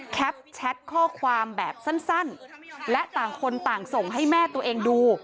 แชทข้อความแบบสั้นและต่างคนต่างส่งให้แม่ตัวเองดู